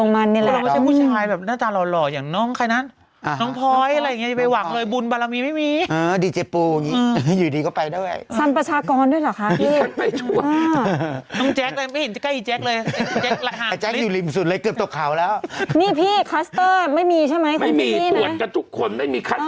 ไม่เป็นไรหรอกดวงไพร่ดวงมันนี่แหละ